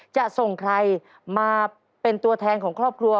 จะส่งใครมาเป็นตัวแทนของครอบครัว